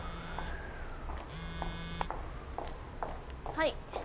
はい。